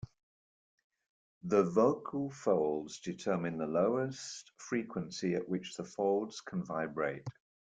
The vocal folds determine the lowest frequency at which the folds can vibrate.